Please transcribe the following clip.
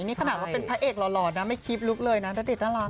นี่ขนาดว่าเป็นพระเอกหล่อนะไม่คิดลุคเลยนะณเดชนน่ารัก